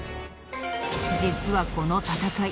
実はこの戦い